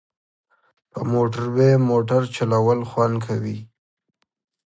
په موټروی موټر چلول خوند کوي